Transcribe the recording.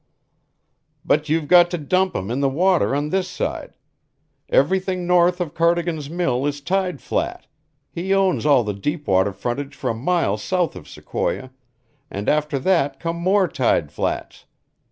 "But you've got to dump 'em in the water on this side. Everything north of Cardigan's mill is tide flat; he owns all the deep water frontage for a mile south of Sequoia, and after that come more tide flats.